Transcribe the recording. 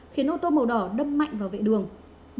khiến ô tô màu đỏ đâm mạnh vào vị đường hà nội